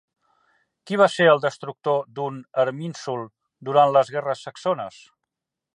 Qui va ser el destructor d'un Erminsul durant les guerres saxones?